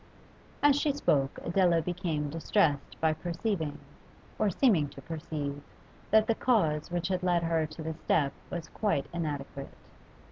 As she spoke Adela became distressed by perceiving, or seeming to perceive, that the cause which had led her to this step was quite inadequate.